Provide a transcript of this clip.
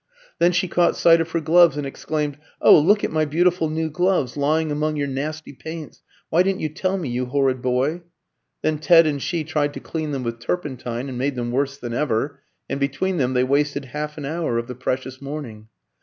Then she caught sight of her gloves and exclaimed, "Oh, look at my beautiful new gloves, lying among your nasty paints! Why didn't you tell me, you horrid boy?" Then Ted and she tried to clean them with turpentine, and made them worse than ever, and between them they wasted half an hour of the precious morning.